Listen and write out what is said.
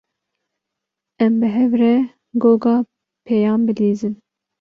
Em bi hev re goga pêyan bilîzin.